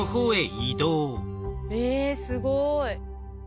えすごい。